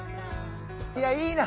いやいいな